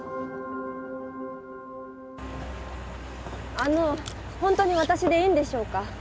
あの本当に私でいいんでしょうか？